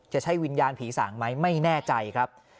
จะใช่วิญญาณผีสางไหมไม่แน่ใจครับ